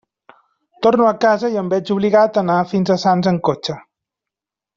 Torno a casa i em veig obligat a anar fins a Sants en cotxe.